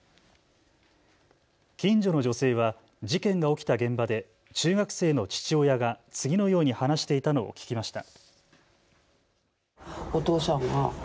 近所の女性は事件が起きた現場で中学生の父親が次のように話していたのを聞きました。